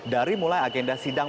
dari mulai agenda sidang